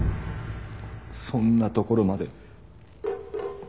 そんなところまで。